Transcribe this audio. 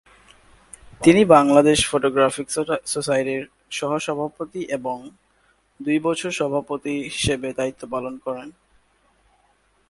তিনি বাংলাদেশ ফটোগ্রাফিক সোসাইটির সহসভাপতি এবং দুই বছর সভাপতি হিসেবে দায়িত্ব পালন করেন।